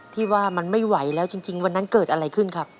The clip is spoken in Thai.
ที่ว่ามันไม่ไหวแล้วจริงวันนั้นเกิดอะไรขึ้นครับ